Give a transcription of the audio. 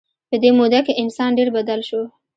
په دې موده کې انسان ډېر بدل شو.